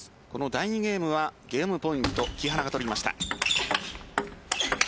第２ゲームはゲームポイント木原が取りました。